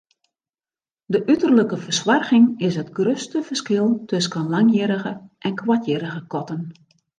De uterlike fersoarging is it grutste ferskil tusken langhierrige en koarthierrige katten.